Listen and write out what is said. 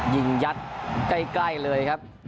ยิงยัดใกล้เลยครับ